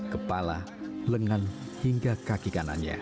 kepala lengan hingga kaki kanannya